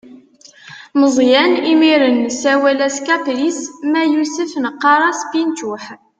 Meẓyan imir-n nessawal-as kapris, ma yusef neqqaṛ-as pinčuḥ.